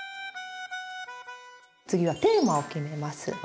次はテーマを決めます。